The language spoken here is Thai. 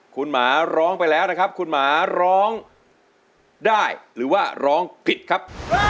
คุณหมาร้องไปแล้วนะครับคุณหมาร้องได้หรือว่าร้องผิดครับ